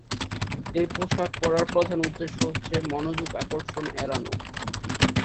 এ পোশাক পড়ার প্রধান উদ্দেশ্য হচ্ছে মনোযোগ আকর্ষণ এড়ানো।